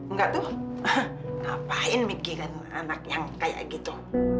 ngapain mikirin anak yang kayak gitu